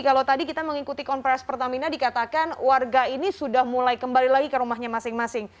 kalau tadi kita mengikuti konferensi pertamina dikatakan warga ini sudah mulai kembali lagi ke rumahnya masing masing